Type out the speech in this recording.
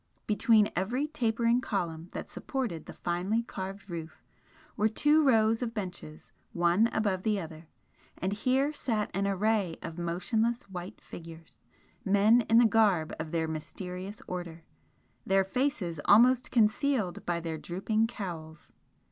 Between every tapering column that supported the finely carved roof, were two rows of benches, one above the other, and here sat an array of motionless white figures, men in the garb of their mysterious Order, their faces almost concealed by their drooping cowls.